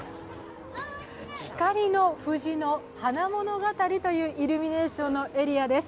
光のふじのはな物語というイルミネーションのエリアです。